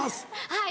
はい